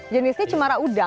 jenisnya cemara udang